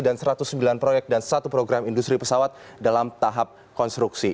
dan satu ratus sembilan proyek dan satu program industri pesawat dalam tahap konstruksi